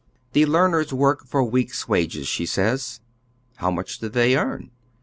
The learners work for week's wages, she says. How much do they earn ?